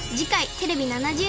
テレビ７０年。